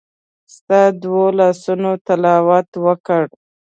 ستا د دوو لاسونو تلاوت وکړ